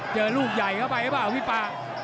เจอลูกใหญ่เข้าไปหรือเปล่าพี่ป่า